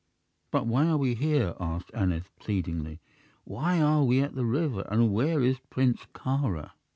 "But why are we here?" asked Aneth, pleadingly. "Why are we at the river, and where is Prince Kāra?"